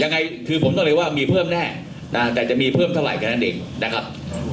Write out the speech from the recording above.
ยังไงคือผมต้องเรียกว่ามีเพิ่มแน่แต่จะมีเพิ่มเท่าไหรแค่นั้นเองนะครับ